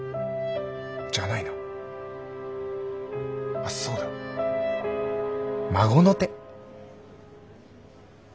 じゃないなあっそうだ孫の手。